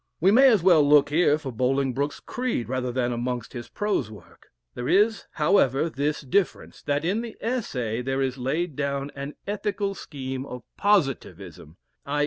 We may as well look here for Bolingbroke's creed, rather than amongst his prose works. There is, however, this difference, that in the Essay there is laid down an ethical scheme of positivism _i.